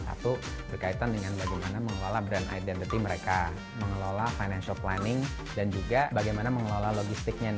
satu berkaitan dengan bagaimana mengelola brand identity mereka mengelola financial planning dan juga bagaimana mengelola logistiknya